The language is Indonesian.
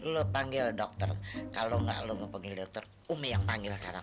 lu panggil dokter kalo ga lu panggil dokter ummi yang panggil sekarang